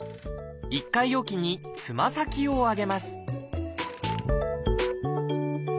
１回置きにつま先を上げます